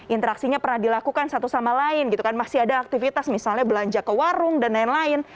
interaksinya pernah dilakukan satu sama lain gitu kan masih ada aktivitas misalnya belanja ke warung dan lain lain